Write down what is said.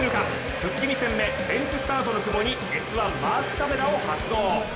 復帰２戦目、ベンチスタートの久保に「Ｓ☆１」マークカメラを発動。